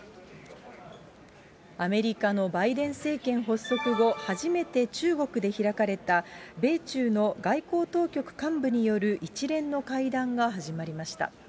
アメリカのバイデン政権発足後、初めて中国で開かれた、米中の外交当局幹部による一連の会談が始まりました。